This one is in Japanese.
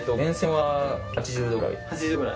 はい。